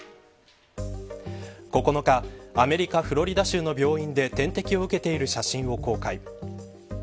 ９日アメリカ、フロリダ州の病院で点滴を受けている写真を公開。